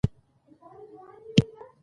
ژبې د افغانستان یوه طبیعي ځانګړتیا ده.